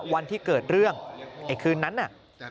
วันที่เกิดเรื่องไอ้คืนนั้นน่ะ